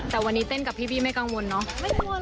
แต่วันนี้เต้นกับพี่บี้ไม่กังวลเนอะ